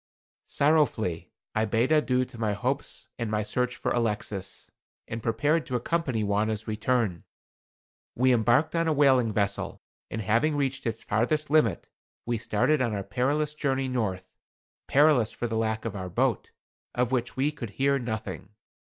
Sorrowfully I bade adieu to my hopes and my search for Alexis, and prepared to accompany Wauna's return. We embarked on a whaling vessel, and having reached its farthest limit, we started on our perilous journey north; perilous for the lack of our boat, of which we could hear nothing.